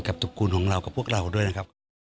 ตระกูลของเรากับพวกเราด้วยนะครับ